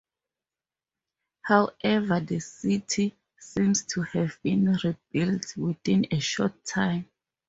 However, the city seems to have been rebuilt within a short time.